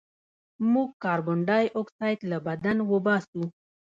موږ کاربن ډای اکسایډ له بدن وباسو